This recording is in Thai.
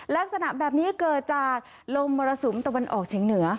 ลักษณะแบบนี้เกิดจากลมมรสุมตะวันออกเฉียงเหนือ